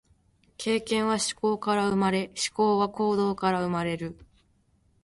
経験は思考から生まれ、思考は行動から生まれる。